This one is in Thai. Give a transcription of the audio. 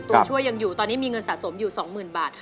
ตัวช่วยยังอยู่ตอนนี้มีเงินสะสมอยู่๒๐๐๐บาท